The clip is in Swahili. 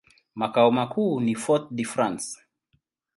Makao makuu ni Fort-de-France.